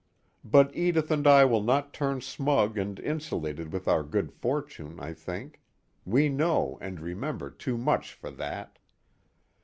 But Edith and I will not turn smug and insulated with our good fortune, I think we know and remember too much for that.